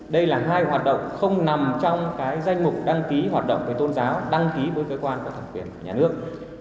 đây là hai hoạt động không nằm trong danh mục đăng ký hoạt động với tôn giáo đăng ký với cơ quan của thẩm quyền nhà nước